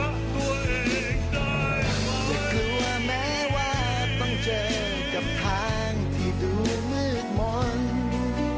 กลัวแม้ว่าต้องเจอกับทางที่ดูมืดมนต์